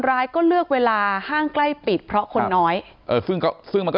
ร้ายก็เลือกเวลาห้างใกล้ปิดเพราะคนน้อยเออซึ่งก็ซึ่งมันก็